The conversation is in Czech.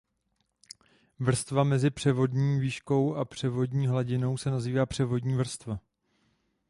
Vrstva mezi převodní výškou a převodní hladinou se nazývá převodní vrstva.